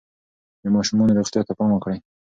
د ماشومانو روغتیا ته پام وکړئ.